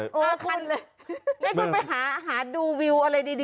ให้คุณไปหาหาดูวิวอะไรดีสิครับ